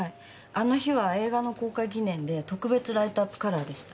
あの日は映画の公開記念で特別ライトアップカラーでした。